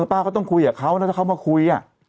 ป้าก็ต้องคุยกับเขาแล้วถ้าเขามาคุย